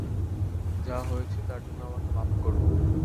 যা হয়েছে, তার জন্যে আমাকে মাপ কোরো।